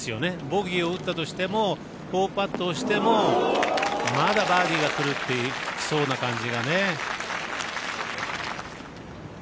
ボギーを打ったとしてもパットをしてもまだバーディーが来そうな感じがね。